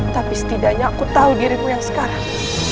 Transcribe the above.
tapi setidaknya aku tahu dirimu yang sekarang